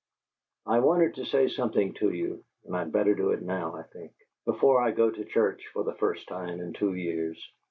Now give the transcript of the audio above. "I wanted to say something to you, and I'd better do it now, I think before I go to church for the first time in two years!"